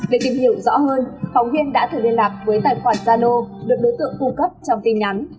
để tìm hiểu rõ hơn phóng viên đã thử liên lạc với tài khoản gia lô được đối tượng cung cấp trong tin nhắn